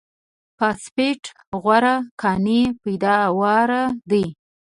فاسفېټ غوره کاني پیداوار دی.